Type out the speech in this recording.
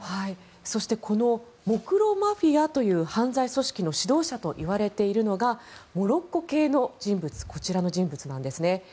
そしてモクロ・マフィアという犯罪組織の指導者といわれているのがモロッコ系のこちらの人物です。